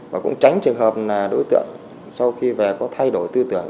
và cũng tránh trường hợp là đối tượng sau khi về có thay đổi tư tưởng